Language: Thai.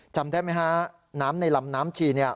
จำได้มั้ยฮะน้ำในลำน้ำชี